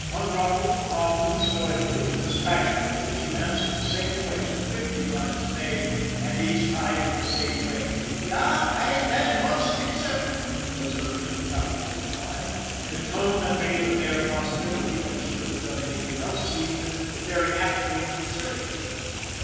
Unruffled, calmly, stoically, dispassionately she answered the same question fifty times a day, and each time in the same way. " Yah, I ban love Spitzer," was her infallible reply, in a tone that made the bare possibility that she could have done anything else seem the very acme of absurdity.